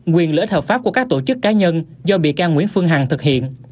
quyền lợi ích hợp pháp của các tổ chức cá nhân do bị can nguyễn phương hằng thực hiện